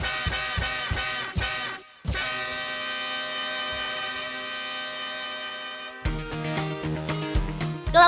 มีร้อยรสชาติเก่ยงแบบโณษย์ขอบคุณครับ